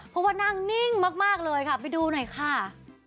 เพราะว่านั่งนิ่งมากเลยค่ะไปดูหน่อยค่ะ